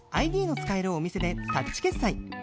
ｉＤ の使えるお店でタッチ決済